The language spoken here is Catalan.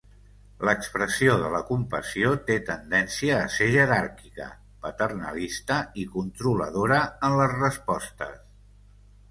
L'expressió de la compassió té tendència a ser jeràrquica, paternalista i controladora en les respostes.